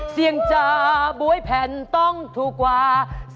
เสียงจาบ๊วยแผ่นต้องถูกกว่า